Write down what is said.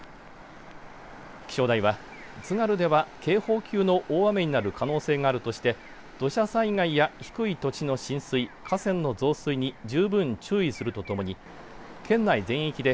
気象台は、津軽では警報級の大雨になる可能性があるとして土砂災害や低い土地の浸水河川の増水に十分注意するとともに県内全域で